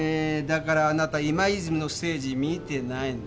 だからあなた今泉のステージ見てないんです。